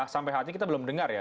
sampai hati kita belum dengar ya